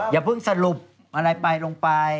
อย่าเพิ่งสรุปอะไรไปลงไป